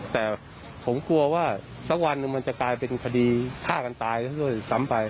แต่ผมกลัวว่าสักวันหนึ่งมันจะกลายเป็นคดีฆ่ากันตายซะด้วยซ้ำไป